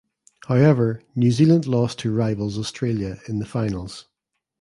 However New Zealand lost to rivals Australia in the finals.